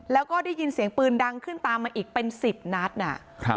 แล้วก็ได้ยินเสียงปืนดังขึ้นตามมาอีกเป็น๑๐นัด